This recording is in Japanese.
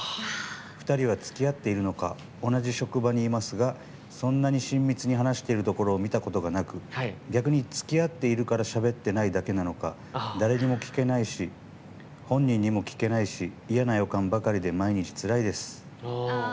２人はつきあっているのか同じ職場にいますがそんなに親密に話しているところを見たことがなく逆につきあっているからしゃべってないだけなのか誰にも聞けないし本人にも聞けないし嫌な予感ばかりで毎日つらいです。